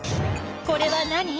これは何？